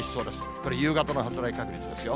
これ、夕方の発雷確率ですよ。